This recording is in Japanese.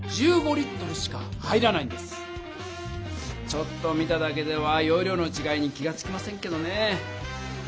ちょっと見ただけではよう量のちがいに気がつきませんけどね。